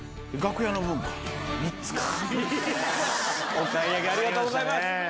お買い上げありがとうございます！